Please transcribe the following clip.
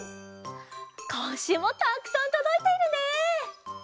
こんしゅうもたっくさんとどいているね。